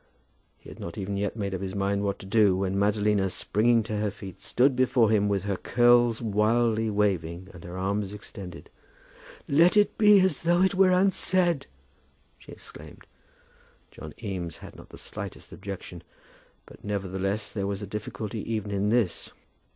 He had not even yet made up his mind what to do, when Madalina, springing to her feet, stood before him, with her curls wildly waving and her arms extended. "Let it be as though it were unsaid," she exclaimed. John Eames had not the slightest objection; but, nevertheless, there was a difficulty even in this.